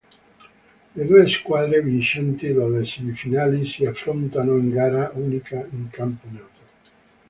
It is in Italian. Le due squadre vincenti delle semifinali si affrontano in gara unica in campo neutro.